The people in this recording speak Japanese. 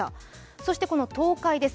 そして東海です。